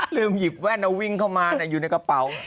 หยิบแว่นเอาวิ่งเข้ามาอยู่ในกระเป๋า